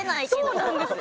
そうなんです。